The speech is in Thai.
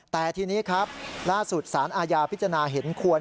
แต่ทีนี้ครับล่าสุดสารอาญาพิจารณาเห็นควร